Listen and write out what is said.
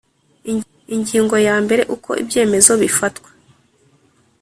Ingingo ya mbere Uko ibyemezo bifatwa